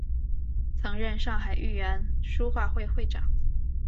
曾任上海豫园书画会会长。